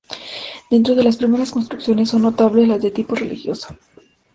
Dentro de las primeras construcciones, son notables las de tipo religioso.